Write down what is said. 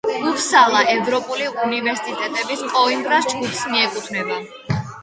უფსალა ევროპული უნივერსიტეტების კოიმბრას ჯგუფს მიეკუთვნება.